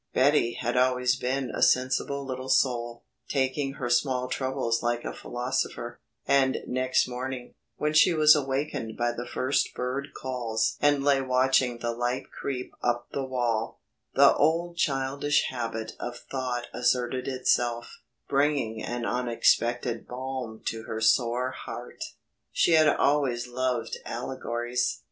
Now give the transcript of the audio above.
Betty had always been a sensible little soul, taking her small troubles like a philosopher, and next morning, when she was awakened by the first bird calls and lay watching the light creep up the wall, the old childish habit of thought asserted itself, bringing an unexpected balm to her sore heart. She had always loved allegories.